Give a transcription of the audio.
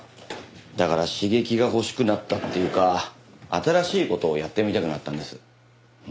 だから刺激が欲しくなったっていうか新しい事をやってみたくなったんです。